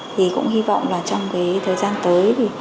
thì cũng hy vọng là trong cái thời gian tới